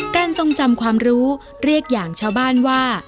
ทรงจำความรู้เรียกอย่างชาวบ้านว่า